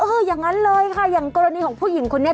อย่างนั้นเลยค่ะอย่างกรณีของผู้หญิงคนนี้